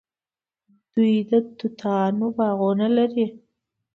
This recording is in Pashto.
دوی د توتانو باغونه لري.